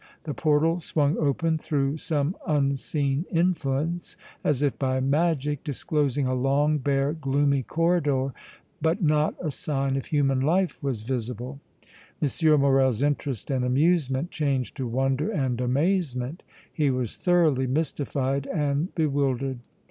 The portal swung open through some unseen influence, as if by magic, disclosing a long, bare, gloomy corridor, but not a sign of human life was visible. M. Morrel's interest and amusement changed to wonder and amazement; he was thoroughly mystified and bewildered.